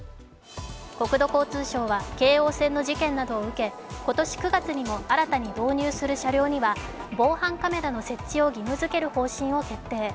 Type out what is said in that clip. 国土交通省は京王線の事件などを受け、今年９月にも新たに導入する車両には防犯カメラの設置を義務づける方針を決定。